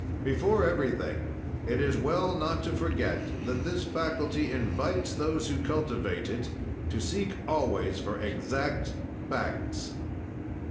"Before everything, it is well not to forget that this faculty invites those who cultivate it to seek always for exact facts.